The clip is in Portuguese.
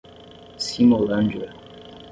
Simolândia